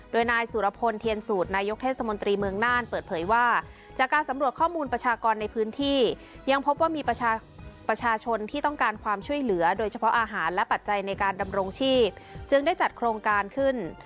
โดยนายสุรพลเทียนสูตรนายกเทศมนตรีเมืองน่านเปิดเผยว่าจากการสำรวจข้อมูลประชากรในพื้นที่ยังพบว่ามีประชาชนที่ต้องการความช่วยเหลือโดยเฉพาะอาหารและปัจจัยในการดำรงชีพจึงได้จัดโครงการขึ้น